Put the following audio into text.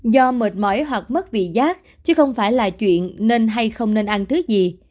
do mệt mỏi hoặc mất vị giác chứ không phải là chuyện nên hay không nên ăn thứ gì